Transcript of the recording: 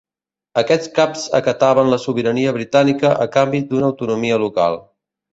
Aquests caps acataven la sobirania britànica a canvi d'una autonomia local.